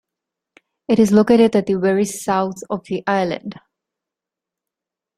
It is located at the very south of the island.